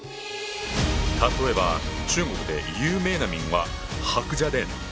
例えば中国で有名な民話「白蛇伝」。